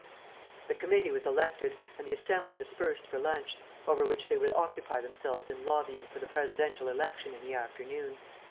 The committee was elected and the Assembly dispersed for lunch, over which they would occupy themselves in lobbying for the Presidential election in the afternoon.